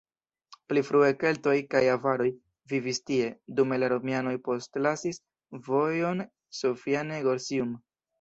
Pli frue keltoj kaj avaroj vivis tie, dume la romianoj postlasis vojon Sophiane-Gorsium.